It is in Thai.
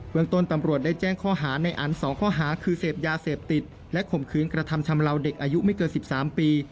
เมืองต้นตำรวจได้แจ้งข้อหาในอัน๒ข้อหาคือเสพยาเสพติดและข่มขืนกระทำชำลาวเด็กอายุไม่เกิน๑๓ปี